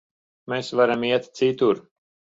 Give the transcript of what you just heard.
Mēs varam iet citur.